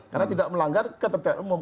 karena tidak melanggar keterbiraan umum